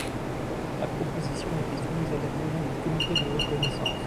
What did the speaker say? La proposition a été soumise à l'examen du Comité de reconnaissance.